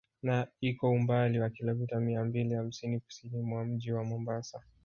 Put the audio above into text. Na iko umbali wa Kilometa mia mbili hamsini Kusini mwa Mji wa Mombasa